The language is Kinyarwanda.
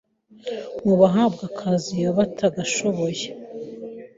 mu bahabwa akazi baba batagashoboye